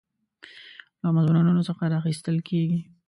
له مضمونونو څخه راخیستل کیږي.